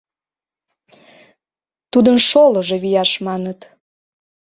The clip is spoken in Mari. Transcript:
Тудын шолыжо вияш, маныт.